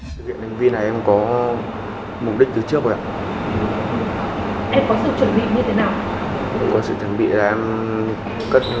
qua những vụ việc trên